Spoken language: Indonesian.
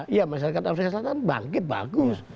iya masyarakat afrika selatan bangkit bagus